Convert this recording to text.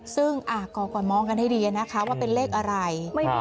ซึ่งก่อกว่ามองกันให้ดีว่าเป็นเลขอะไร